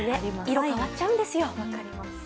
色が変わっちゃうんですよ。